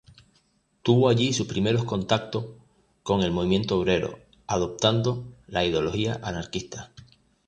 Tuvo allí sus primeros contacto con el movimiento obrero, adoptando la ideología anarquista.